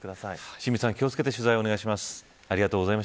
清水さん、気を付けて取材をお願いします。